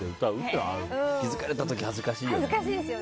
気づかれた時、恥ずかしいね。